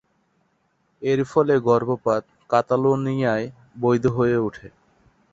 এর ফলে গর্ভপাত কাতালোনিয়ায় বৈধ হয়ে ওঠে।